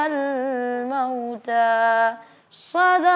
aku mau bekerja